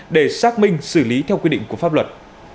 để xác minh xử lý theo quy định của pháp luật